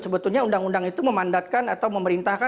sebetulnya undang undang itu memandatkan atau memerintahkan